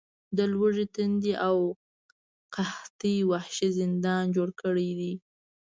د لوږې، تندې او قحطۍ وحشي زندان جوړ دی.